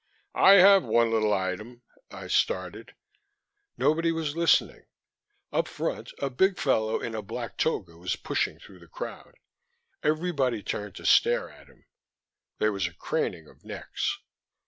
"I have one little item " I started. Nobody was listening. Up front a big fellow in a black toga was pushing through the crowd. Everybody turned to stare at him: there was a craning of necks.